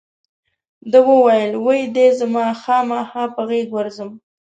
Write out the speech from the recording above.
ده وویل وی دې زه خامخا په غېږ ورځم.